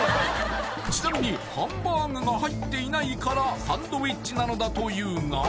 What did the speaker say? ちなみにハンバーグが入っていないからサンドウィッチなのだというが